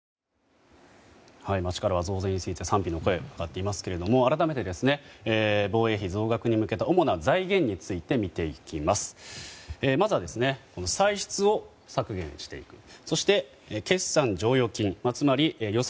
街からは増税について賛否の声が上がっていますが改めて、防衛費増額に向けた主な財源について見ていきます。